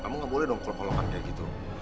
kamu gak boleh dong kalau kolokan kayak gitu